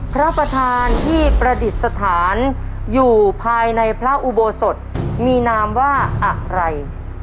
พระประธานที่ประดิษฐานอยู่ภายในพระอุโบสถมีนามว่าอะไร